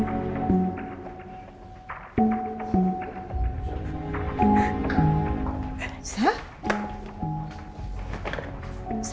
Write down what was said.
ya udah selesai kerja hari di sini